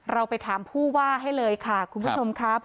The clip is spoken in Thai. เราไปถามผู้ว่าให้เลยค่ะคุณผู้ชมครับ